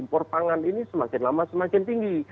maka komoditas dari impor pangan ini semakin lama semakin tinggi